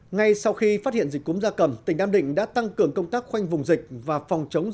ngay sau khi phát hiện dịch cúm gia cầm tỉnh nam định đã tăng cường công tác khoanh vùng dịch